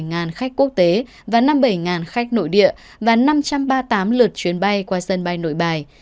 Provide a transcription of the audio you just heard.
gần ba mươi bảy khách quốc tế và năm mươi bảy khách nội địa và năm trăm ba mươi tám lượt chuyến bay qua sân bay nội bài